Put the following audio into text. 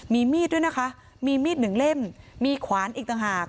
มีมีดด้วยนะคะมีมีดหนึ่งเล่มมีขวานอีกต่างหาก